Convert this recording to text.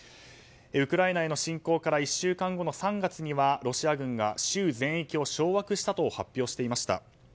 ウクライナへの侵攻から１週間後の３月にはロシア軍が州全域を掌握したと発表していました。